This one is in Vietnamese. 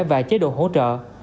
và chế độ hỗ trợ